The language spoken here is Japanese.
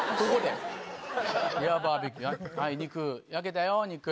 はい肉焼けたよ、肉。